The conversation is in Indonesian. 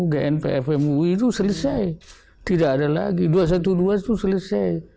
gnpf mui itu selesai tidak ada lagi dua ratus dua belas itu selesai